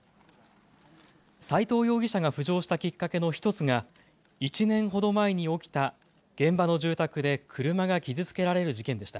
斎藤容疑者が浮上したきっかけの１つが１年ほど前に起きた現場の住宅で車が傷つけられる事件でした。